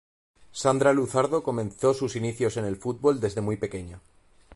Sandra Luzardo comenzó sus inicios en el fútbol desde muy pequeña.